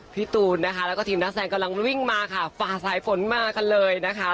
พี่ตูนนะคะแล้วก็ทีมนักแสดงกำลังวิ่งมาค่ะฝ่าสายฝนมากันเลยนะคะ